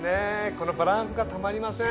このバランスがたまりません。